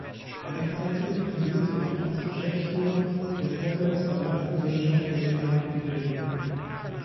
Gleichzeitig fungierte er auch als Geschäftsführer der "Vorwärts Verlagsgesellschaft GmbH" in Berlin.